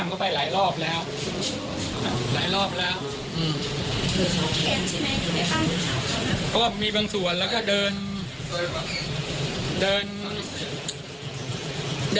เกิดเลยสะสมบางอย่างมาก็เปิด